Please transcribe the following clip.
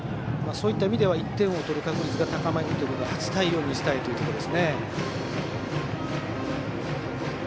そういった意味では１点取る確率が高まるということは８対４にしたいというところですね。